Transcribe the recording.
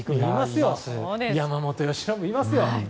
山本由伸いますよ。